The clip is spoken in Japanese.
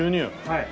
はい。